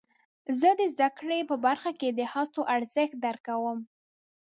زه د زده کړې په برخه کې د هڅو ارزښت درک کوم.